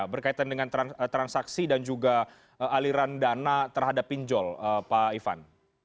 berkaitan dengan transaksi dan juga aliran dana terhadap pinjol pak ivan